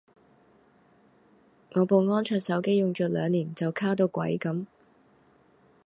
我部安卓手機用咗兩年就卡到鬼噉